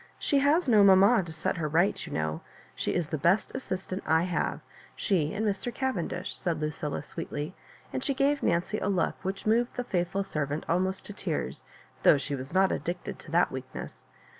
She has no mamma to itet her right, you know. She is the best assistant I have — she and Mr. Cavendish," said Lucilla, sweetly ; and she gave Nancy a look which moved the faithful servant almost to tears, though she was not addicted to that weakness.